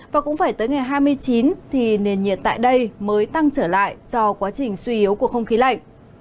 và cũng phải tới ngày hai mươi chín thì nền nhiệt tại đây mới tăng trở lại do quá trình suy yếu của không khí lạnh